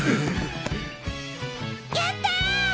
やった！